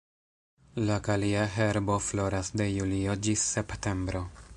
La kalia herbo floras de julio ĝis septembro.